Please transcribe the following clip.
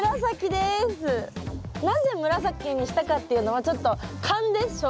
なぜ紫にしたかっていうのはちょっと勘です。